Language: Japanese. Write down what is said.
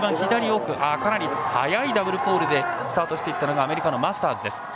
かなり速いダブルポールでスタートしていったのがアメリカのマスターズです。